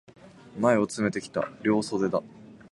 前を詰めてきた、両襟だ。